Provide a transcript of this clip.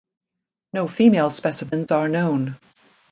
No female specimens are known.